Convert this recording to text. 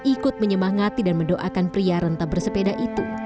ikut menyemangati dan mendoakan pria rentab bersepeda itu